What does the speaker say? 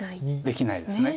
できないです。